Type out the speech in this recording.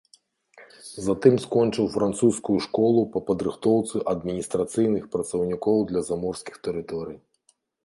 Затым скончыў французскую школу па падрыхтоўцы адміністрацыйных працаўнікоў для заморскіх тэрыторый.